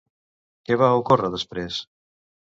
Què va ocórrer després?